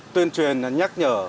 tuyên truyền nhắc nhở